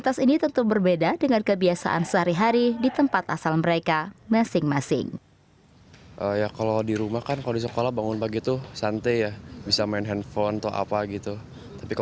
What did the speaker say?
dan setelah beribadah mereka melakukan senam pagi sekitar pukul lima pagi